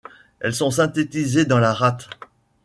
Elles sont synthétisées dans la rate.